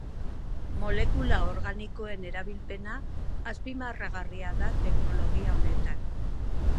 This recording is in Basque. Molekula organikoen erabilpena azpimarragarria da teknologia honetan.